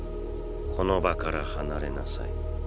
この場から離れなさい。